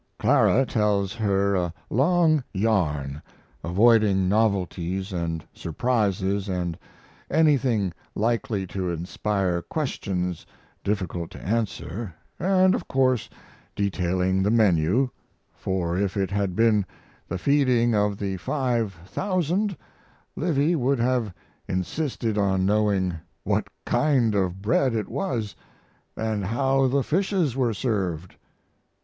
Clara tells her a long yarn avoiding novelties and surprises and anything likely to inspire questions difficult to answer; and of course detailing the menu, for if it had been the feeding of the 5,000 Livy would have insisted on knowing what kind of bread it was and how the fishes were served.